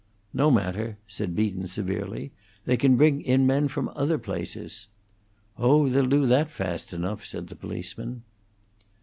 "No matter," said Beaton, severely. "They can bring in men from other places." "Oh, they'll do that fast enough," said the policeman.